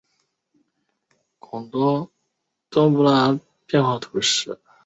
孔东多布拉克人口变化图示